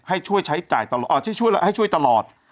ให้ช่วยใช้จ่ายตลอดช่วยให้ช่วยตลอด